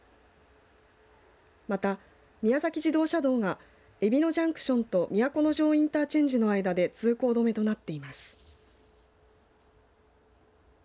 また、宮崎自動車道がえびのジャンクションと都城インターチェンジの間で通行止めとなっています。